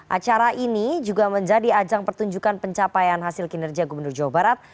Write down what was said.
acara ini juga menjadi ajang pertunjukan pencapaian hasil kinerja gubernur jawa barat